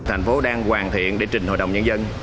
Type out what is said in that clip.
thành phố đang hoàn thiện để trình hội đồng nhân dân